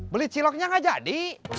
beli ciloknya nggak jadi